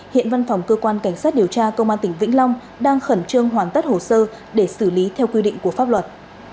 hiện văn phòng cơ quan cảnh sát điều tra công an tỉnh vĩnh long đang khẩn trương hoàn tất hồ sơ để xử lý theo quy định của pháp luật